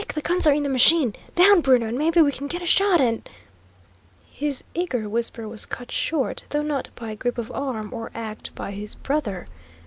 the guns are in the machine! Down, Bruno, and maybe we can get a shot and " His eager whisper was cut short, though not by grip of arm or act by his brother.